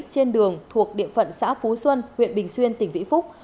trên đường thuộc địa phận xã phú xuân huyện bình xuyên tỉnh vĩnh phúc